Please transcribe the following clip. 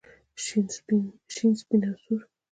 شین سپین او سور.